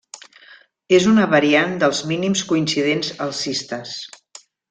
És una variant dels Mínims coincidents alcistes.